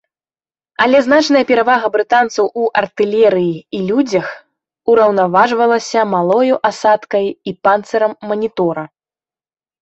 Але значная перавага брытанцаў у артылерыі і людзях ураўнаважвалася малою асадкай і панцырам манітора.